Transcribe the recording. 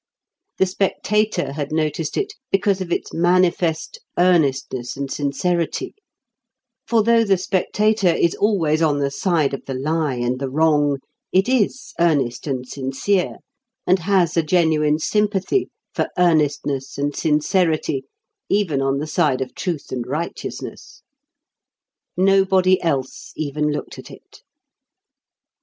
The Spectator had noticed it because of its manifest earnestness and sincerity; for though the Spectator is always on the side of the lie and the wrong, it is earnest and sincere, and has a genuine sympathy for earnestness and sincerity, even on the side of truth and righteousness. Nobody else even looked at it.